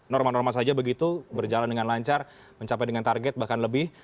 normal normal saja begitu berjalan dengan lancar mencapai dengan target bahkan lebih